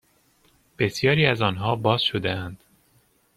بسیاری از آنها باز شدهاند